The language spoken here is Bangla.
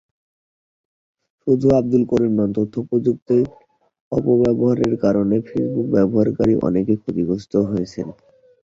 শুধু আবদুল করিম নন, তথ্যপ্রযুক্তির অপব্যবহারের কারণে ফেসবুক ব্যবহারকারী অনেকেই ক্ষতিগ্রস্ত হয়েছেন।